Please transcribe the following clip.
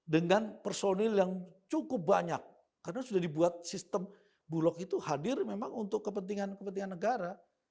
dengan personil yang cukup banyak karena sudah dibuat sistem bulog itu hadir memang untuk kepentingan kepentingan negara